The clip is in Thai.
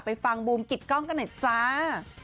ฟังบูมกิจกล้องกันหน่อยจ้า